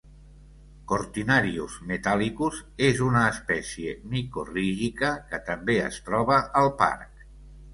'Cortinarius metallicus' és una espècie micorrígica que també es troba al parc.